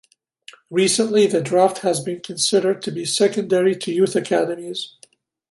Recently, the draft has been considered to be secondary to youth academies.